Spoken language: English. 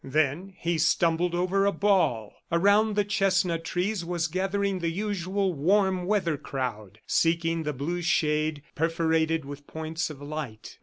Then he stumbled over a ball. Around the chestnut trees was gathering the usual warm weather crowd, seeking the blue shade perforated with points of light.